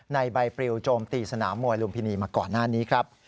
ในใบปริวโจมตีสนามมวยลุมพินีมาก่อนหน้านี้ครับ